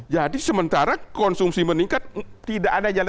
jadi sementara konsumsi meningkat tidak ada jalan lain